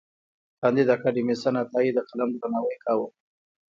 کانديد اکاډميسن عطايي د قلم درناوی کاوه.